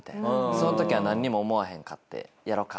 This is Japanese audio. その時はなんにも思わへんかって「やろか」